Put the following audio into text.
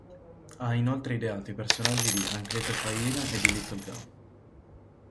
Ha inoltre ideato i personaggi di Anacleto Faina e di Little Gum.